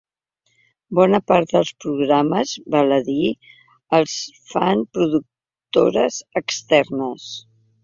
Bona part dels programes, val a dir, els fan productores externes.